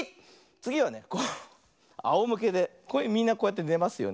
つぎはねあおむけでみんなこうやってねますよね。